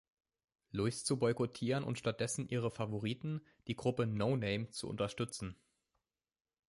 Luis zu boykottieren und stattdessen ihre Favoriten, die Gruppe No Name zu unterstützen.